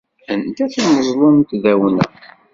Anda-t umeẓlu n tdawna?